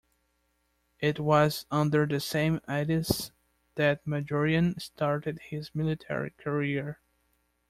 It was under the same Aetius that Majorian started his military career.